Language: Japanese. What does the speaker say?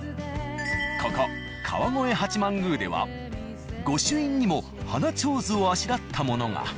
ここ川越八幡宮では御朱印にも花手水をあしらったものが。